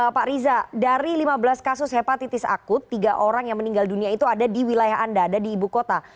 pak riza dari lima belas kasus hepatitis akut tiga orang yang meninggal dunia itu ada di wilayah anda ada di ibu kota